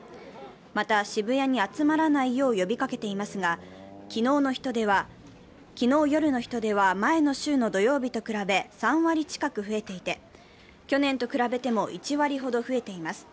また渋谷に集まらないよう呼びかけていますが、昨日夜の人出は前の週の土曜日と比べ３割近く増えていて、去年と比べても１割ほど増えています。